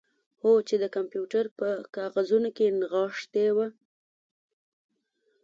هو چې د کمپیوټر په کاغذونو کې نغښتې وه